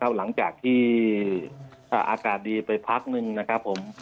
หลังจากที่อากาศดีไปพักนึงนะครับผม